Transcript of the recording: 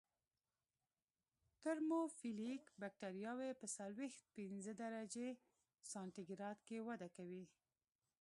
ترموفیلیک بکټریاوې په څلویښت پنځه درجې سانتي ګراد کې وده کوي.